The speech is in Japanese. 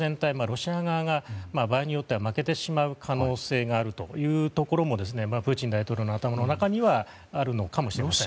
ロシア側が場合によっては負けてしまう可能性があるところもプーチン大統領の頭の中にはあるのかもしれません。